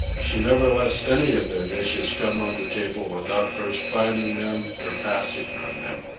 She never lets any of their dishes come on the table without first planning them or passing on them.